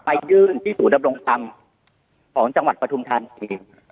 ไปยื่นที่สูตรแบบลงทำของจังหวัดประทุมทานสิบ